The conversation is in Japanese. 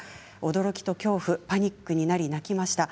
驚きと恐怖、パニックになり泣きました。